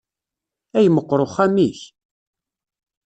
Ay meqqer uxxam-ik!